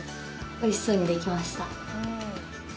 おいしそうに出来ました。